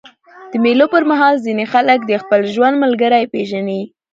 د مېلو پر مهال ځيني خلک د خپل ژوند ملګری پېژني.